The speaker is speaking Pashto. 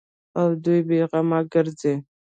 او دوى بې غمه گرځي.